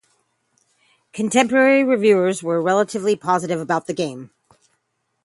Contemporary reviewers were relatively positive about the game.